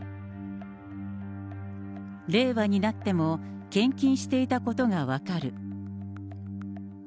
令和になっても、献金していたことが分かる。